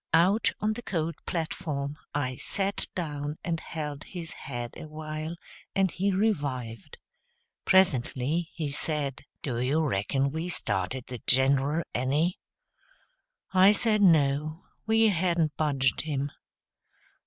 Out on the cold platform I sat down and held his head a while, and he revived. Presently he said, "Do you reckon we started the Gen'rul any?" I said no; we hadn't budged him.